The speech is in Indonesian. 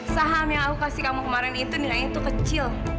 saham yang aku kasih kamu kemarin itu nilainya itu kecil